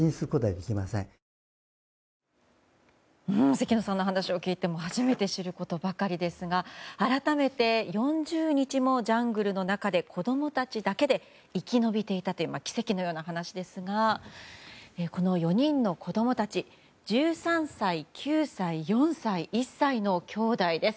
関野さんの話を聞いても初めて知ることばかりですが改めて４０日もジャングルの中で子供たちだけで生き延びていたという奇跡のような話ですがこの４人の子供たち１３歳、９歳、４歳１歳のきょうだいです。